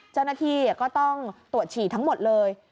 เจ้าหน้าที่ก็ต้องตรวจฉี่ทั้งหมดเลย